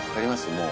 もう。